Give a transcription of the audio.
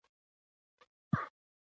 هر موټر خپل قیمت لري.